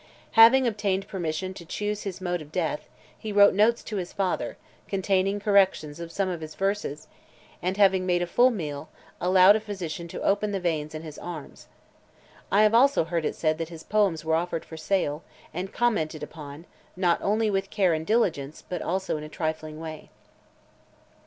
Having obtained permission to choose his mode of death , he wrote notes to his father, containing corrections of some of his verses, and, having made a full meal, allowed a physician to open the veins in his arm . I have also heard it said that his poems were offered for sale, and commented upon, not only with care and diligence, but also in a trifling way.